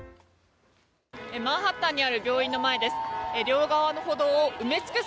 マンハッタンにある病院の前です。